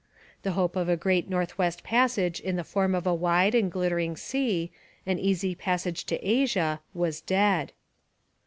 The hope of a North West Passage in the form of a wide and glittering sea, an easy passage to Asia, was dead.